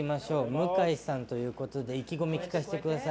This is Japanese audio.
向井さんということで意気込み、聞かせてください。